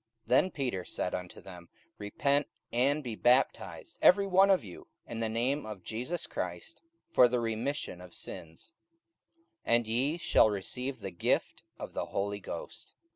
44:002:038 Then Peter said unto them, Repent, and be baptized every one of you in the name of Jesus Christ for the remission of sins, and ye shall receive the gift of the Holy Ghost.